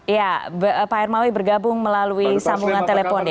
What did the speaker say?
ya pak hermawi bergabung melalui sambungan telepon ya